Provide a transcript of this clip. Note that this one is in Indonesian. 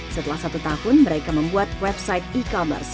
setelah satu tahun mereka membuat website e commerce